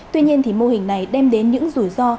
tuy nhiên mô hình này đem đến những rủi ro